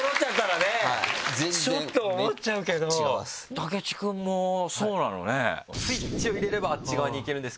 武知くんもそうなのね。